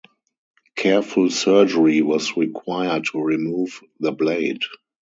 Careful surgery was required to remove the blade.